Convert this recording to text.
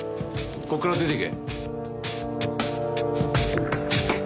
ここから出て行け。